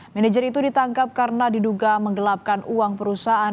manajer itu ditangkap karena diduga menggelapkan uang perusahaan